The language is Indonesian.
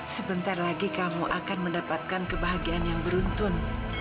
sebentar lagi kamu akan mendapatkan kebahagiaan yang beruntun